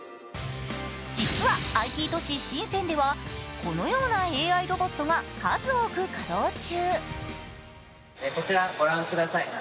実はＩＴ都市・深センではこのようなＡＩロボットが数多く稼働中。